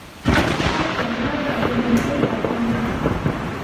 ถ้าถอดหน้ากากกินในที่สาธารณะ